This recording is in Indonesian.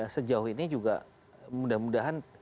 sejauh ini juga mudah mudahan